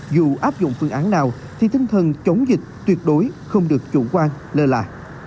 dù áp dụng phương án nào thì tinh thần chống dịch tuyệt đối không được chủ quan lơ là